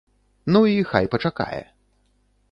Ну і хай пачакае.